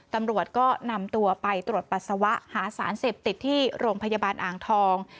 ตำรวจก็นำตัวไปตรวจปัสสาวะหาสารเสพติดที่โรงพยาบาลอ่างทอง